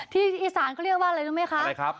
ที่อิสานก็เรียกว่าอะไรรู้มั้ยคะ